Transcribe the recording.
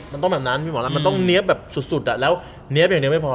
มันต้องแบบนั้นมันต้องเนี๊ยบแบบสุดแล้วเนี๊ยบอย่างนี้ไม่พอ